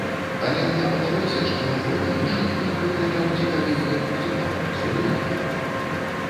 Але мне падалося, што на фоне іншых ён выглядаў цікавей як музыкант, сур'ёзна!